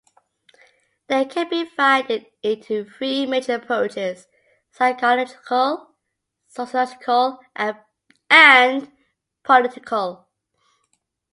They can be divided into three major approaches: psychological, sociological and political.